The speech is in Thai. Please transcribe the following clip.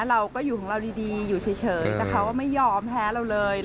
เราก็อยู่ของเราดีอยู่เฉยแต่เขาก็ไม่ยอมแพ้เราเลย